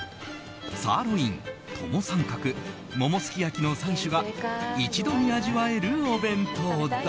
サーロイン、トモサンカクモモすき焼きの３種が一度に味わえるお弁当だ。